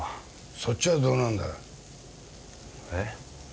そっちはどうなんだえっ？